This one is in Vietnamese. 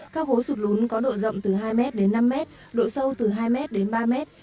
các hố sụt lún có độ rộng từ hai m đến năm mét độ sâu từ hai mét đến ba mét